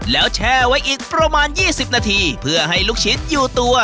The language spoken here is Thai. แล้วแช่ไว้อีกประมาณ๒๐นาทีเพื่อให้ลูกชิ้นอยู่ตัว